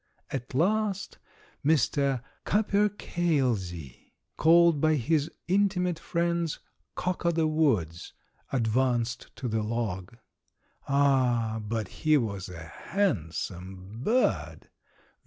At last Mr. Capercailzie, called by his intimate friends Cock o' the woods, advanced to the log. Ah, but he was a handsome bird!